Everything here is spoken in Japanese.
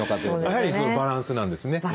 やはりバランスなんですね。